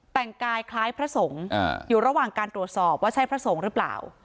แต่งกายคล้ายพระสงฆ์อยู่ระหว่างการตรวจสอบว่าใช่พระสงฆ์หรือเปล่า